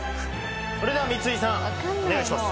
それでは三井さんお願いします